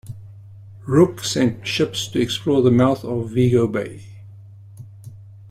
Rooke sent ships to explore the mouth of Vigo Bay.